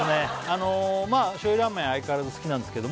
あのまあ醤油ラーメン相変わらず好きなんですけど